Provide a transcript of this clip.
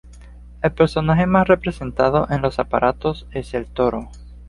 El personaje más representado en los aparatos es el Toro.